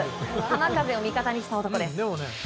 浜風を味方にした男です。